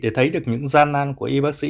để thấy được những gian nan của y bác sĩ